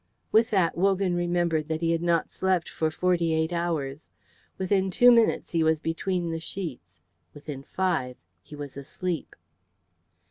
With that Wogan remembered that he had not slept for forty eight hours. Within two minutes he was between the sheets; within five he was asleep.